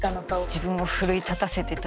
自分を奮い立たせてというか。